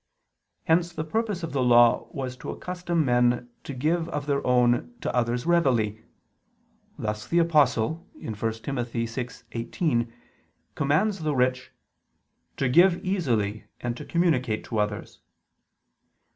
Hence the purpose of the Law was to accustom men to give of their own to others readily: thus the Apostle (1 Tim. 6:18) commands the rich "to give easily and to communicate to others."